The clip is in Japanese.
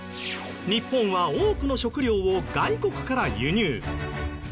日本は多くの食料を外国から輸入。